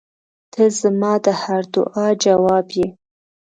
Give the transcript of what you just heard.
• ته زما د هر دعا جواب یې.